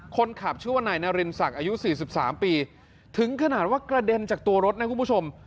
คนขับชื่อว่านายนารินศักดิ์อายุ๔๓ปีถึงขนาดว่ากระเด็นจากตัวรถนะคุณผู้ชม